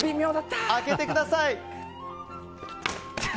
開けてください！